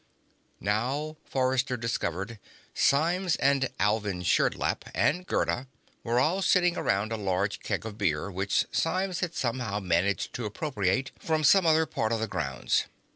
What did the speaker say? Now, Forrester discovered, Symes and Alvin Sherdlap and Gerda were all sitting around a large keg of beer which Symes had somehow managed to appropriate from some other part of the grounds.